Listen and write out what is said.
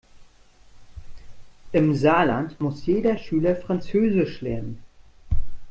Im Saarland muss jeder Schüler französisch lernen.